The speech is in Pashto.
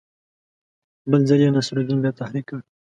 بل ځل یې نصرالدین بیا تحریک کړ.